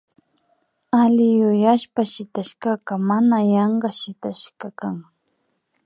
Alli yuyashpa shitaykaka mana yanka shitashka kan